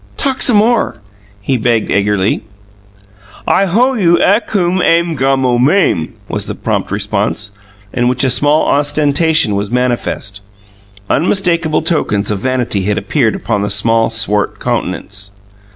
"Talk some more," he begged eagerly. "I hoe you ackoom aim gommo mame," was the prompt response, in which a slight ostentation was manifest. Unmistakable tokens of vanity had appeared upon the small, swart countenance.